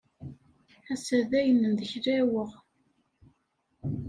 Ass-a dayen ndeklaweɣ.